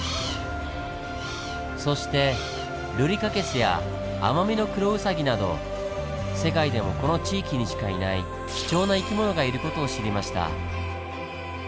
そしてルリカケスやアマミノクロウサギなど世界でもこの地域にしかいない貴重な生き物がいる事を知りました。